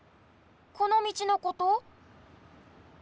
このみちのこと？